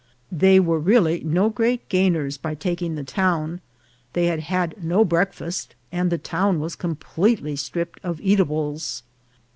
They were really no great gainers by taking the town. They had had no breakfast, and the town was completely stripped of eatables.